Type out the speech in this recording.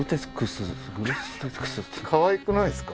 かわいくないですか？